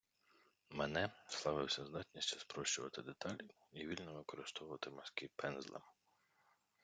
Мане славився здатністю спрощувати деталі і вільно використовувати мазки пензлем.